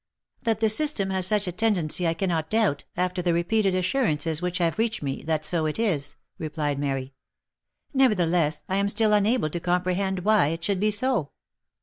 " That the system has such a tendency I cannot doubt, after the re peated assurances which have reached me, that so it is," replied Mary. " Nevertheless, I am still unable to comprehend why it should be so."